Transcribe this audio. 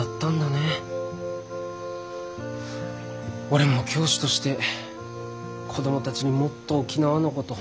俺も教師として子供たちにもっと沖縄のこと